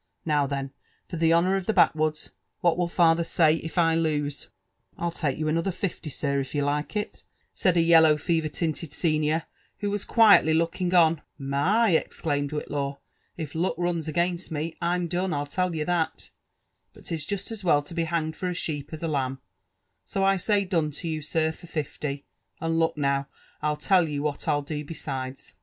Now, then, for the honour of thn backwoods i What will father say if I lose T ''I'll take you another fifty, sir, if you like it/' said a yellow feverr tinted senior who was quietly lookin^^ on. "My — I" exclaimed Whitlaw; '*if luek runs against me, Fna done, 1 tell you that. But 'tis just as well to be hanged for a sheep as ^ lamb ; so i say done to you, sir, for fifty. And look now, TU tell you what rii do besides.'